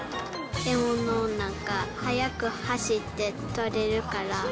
獲物をなんか速く走って取れるから。